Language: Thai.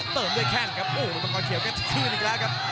เติมได้แค้นครับชิ้นอีกแล้วครับ